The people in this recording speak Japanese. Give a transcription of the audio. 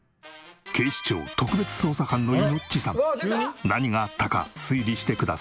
警視庁特別捜査班のイノッチさん何があったか推理してください。